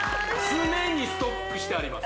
常にストックしてあります